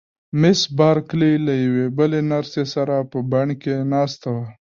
مس بارکلي له یوې بلې نرسې سره په بڼ کې ناسته وه.